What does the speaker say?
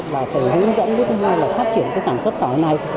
và phải hướng dẫn với chúng tôi là phát triển cái sản xuất cỏ này